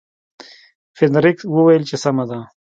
فلیریک وویل چې سمه ده.